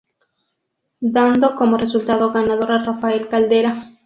Dando como resultado ganador a Rafael Caldera.